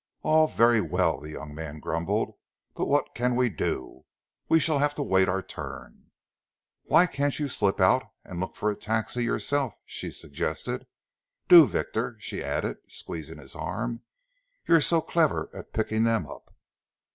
"All very well," the young man grumbled, "but what can we do? We shall have to wait our turn." "Why can't you slip out and look for a taxi yourself?" she suggested. "Do, Victor," she added, squeezing his arm. "You're so clever at picking them up."